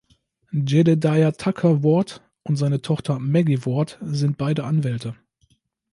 Jedediah Tucker Ward und seine Tochter Maggie Ward sind beide Anwälte.